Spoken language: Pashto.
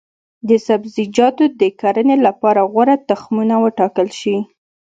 د سبزیجاتو د کرنې لپاره غوره تخمونه وټاکل شي.